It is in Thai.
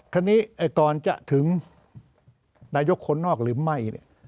คราวนี้ก่อนจะถึงนายกคนนอกหรือไม่